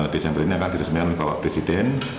dua puluh desember ini akan diresmikan oleh bapak presiden